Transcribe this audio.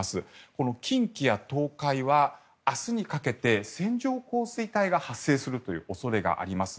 この近畿や東海は明日にかけて線状降水帯が発生するという恐れがあります。